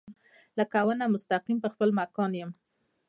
لکه ونه مستقیم پۀ خپل مکان يم